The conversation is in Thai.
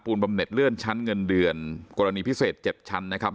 บำเน็ตเลื่อนชั้นเงินเดือนกรณีพิเศษ๗ชั้นนะครับ